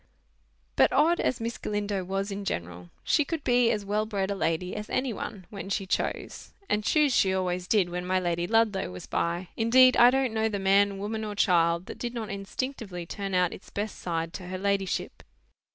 But odd as Miss Galindo was in general, she could be as well bred a lady as any one when she chose. And choose she always did when my Lady Ludlow was by. Indeed, I don't know the man, woman, or child, that did not instinctively turn out its best side to her ladyship.